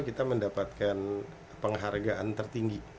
kita mendapatkan penghargaan tertinggi